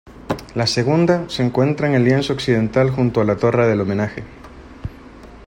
La segunda, se encuentra en el lienzo occidental junto a la Torre del Homenaje.